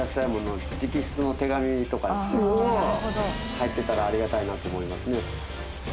入ってたらありがたいなと思いますね。